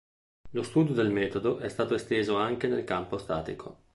Lo studio del metodo è stato esteso anche nel campo statico.